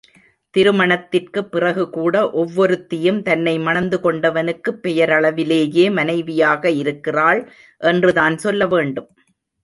திருமணத்திற்குப் பிறகு கூட, ஒவ்வொருத்தியும் தன்னை மணந்து கொண்டவனுக்குப் பெயரளவிலேயே மனைவியாக இருக்கிறாள் என்று தான் சொல்ல வேண்டும்.